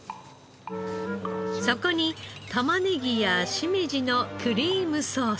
そこに玉ねぎやしめじのクリームソース。